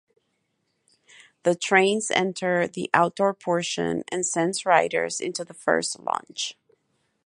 The trains enter the outdoor portion and sends riders into the first launch.